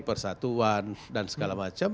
persatuan dan segala macam